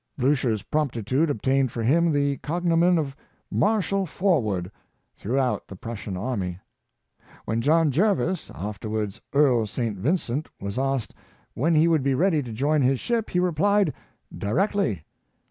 Blucher's promptitude obtained for him the cognomen of " Marshal Forward " throughout the Prussian army. When John Jervis, afterwards Earl St. Vincent, was asked when he would be ready to join his ship, he replied " Directly."